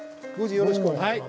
よろしくお願いします。